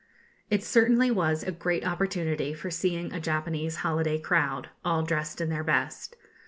It certainly was a great opportunity for seeing a Japanese holiday crowd, all dressed in their best.